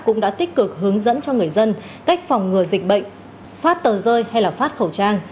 cũng đã tích cực hướng dẫn cho người dân cách phòng ngừa dịch bệnh phát tờ rơi hay phát khẩu trang